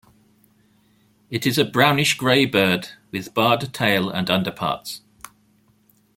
It is a brownish-grey bird with barred tail and underparts.